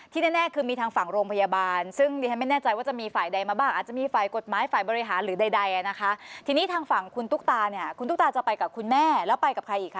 แน่คือมีทางฝั่งโรงพยาบาลซึ่งดิฉันไม่แน่ใจว่าจะมีฝ่ายใดมาบ้างอาจจะมีฝ่ายกฎหมายฝ่ายบริหารหรือใดนะคะทีนี้ทางฝั่งคุณตุ๊กตาเนี่ยคุณตุ๊กตาจะไปกับคุณแม่แล้วไปกับใครอีกคะ